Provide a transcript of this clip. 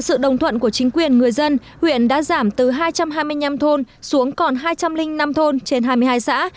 sự đồng thuận của chính quyền người dân huyện đã giảm từ hai trăm hai mươi năm thôn xuống còn hai trăm linh năm thôn trên hai mươi hai xã